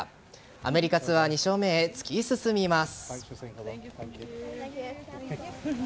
アメリカツアー２勝目へ突き進みます。